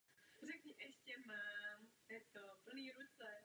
Příčina výpadku osmého motoru byla brzy odhalena.